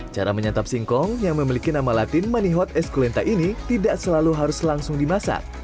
cara menyantap singkong yang memiliki nama latin manihot esculenta ini tidak selalu harus langsung dimasak